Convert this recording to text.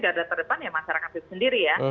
garda terdepan ya masyarakat sendiri ya